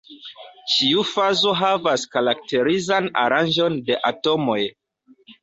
Ĉiu fazo havas karakterizan aranĝon de atomoj.